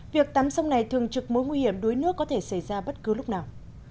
việc tắm sông này thường trực mối nguy hiểm đuối nước có thể xảy ra bất cứ lúc nào